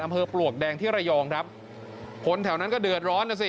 ปลวกแดงที่ระยองครับคนแถวนั้นก็เดือดร้อนนะสิ